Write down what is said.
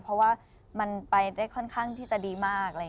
เพราะว่ามันไปได้ค่อนข้างที่จะดีมาก